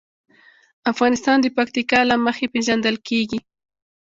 افغانستان د پکتیکا له مخې پېژندل کېږي.